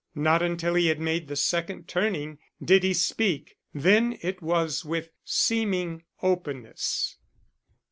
Not until he had made the second turning did he speak; then it was with seeming openness.